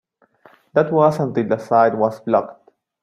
That was until the site was blocked.